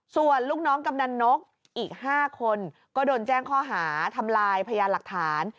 ส่วนลูกน้องกำนันนกอีก๕คนก็โดนแจ้งข้อหาทำลายพยานหลักฐาน